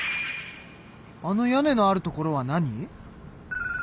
あの屋根のあるところは何？